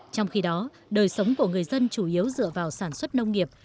trong khi đó đời sống của người dân chủ yếu dựa vào sản xuất nông nghiệp